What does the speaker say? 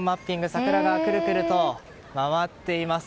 桜がくるくると回っています。